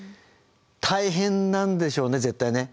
大変なんでしょうね絶対ね。